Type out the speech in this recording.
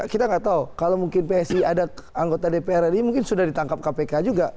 kita nggak tahu kalau mungkin psi ada anggota dpr ri mungkin sudah ditangkap kpk juga